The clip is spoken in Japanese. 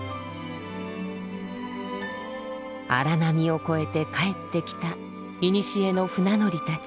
荒波を越えて帰ってきたいにしえの船乗りたち。